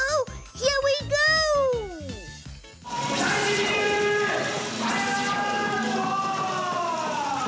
ヒアウィーゴー！